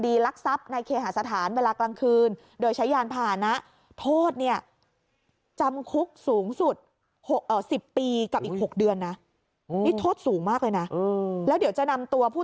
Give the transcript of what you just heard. อีก๖เดือนนะนี่โทษสูงมากเลยนะแล้วเดี๋ยวจะนำตัวผู้